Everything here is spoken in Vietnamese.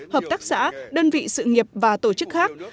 hợp tác xã đơn vị sự nghiệp và tổ chức khác